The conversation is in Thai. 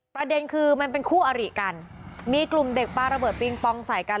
ประเด็นคือมันเป็นคู่อริกันมีกลุ่มเด็กปลาระเบิดปิงปองใส่กัน